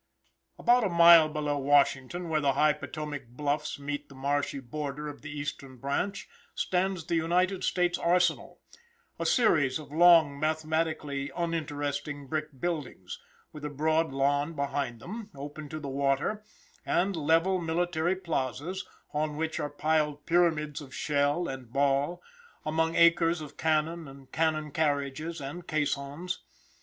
About a mile below Washington, where the high Potomac Bluffs meet the marshy border of the Eastern branch, stands the United States arsenal, a series of long, mathematically uninteresting brick buildings, with a broad lawn behind them, open to the water, and level military plazas, on which are piled pyramids of shell and ball, among acres of cannon and cannon carriages, and caissons.